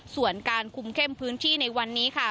ส่วนการคุมเข้มพื้นที่ในวันนี้ค่ะ